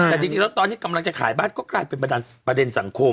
แต่จริงแล้วตอนนี้กำลังจะขายบ้านก็กลายเป็นประเด็นสังคม